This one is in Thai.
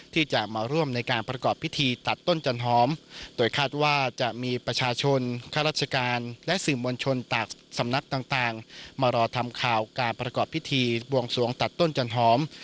ที่จะมาร่วมในการประกอบพิธีตัดต้นจันหอมโดยคาดว่าจะมีประชาชนข้าราชการและสื่อมวลชนจากสำนักต่างมารอทำข่าวการประกอบพิธีบวงสวงตัดต้นจันหอม